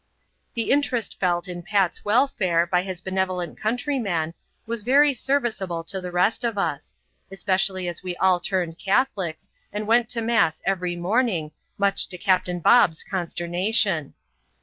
The interest felt in Pat's welfare, by his benevolent country man, w«as very serviceable to the rest of us ; especially as we all turned Catholics, and went to mass every morning, much to Captain Bob s consternation.